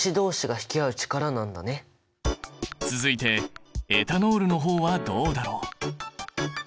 続いてエタノールの方はどうだろう？